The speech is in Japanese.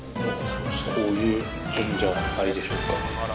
こういう順じゃないでしょうか。